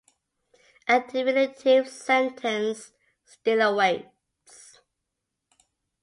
A definitive sentence still awaits.